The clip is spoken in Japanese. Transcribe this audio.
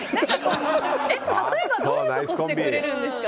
例えば、どんなことをしてくれるんですか？